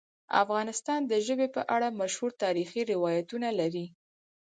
افغانستان د ژبې په اړه مشهور تاریخی روایتونه لري.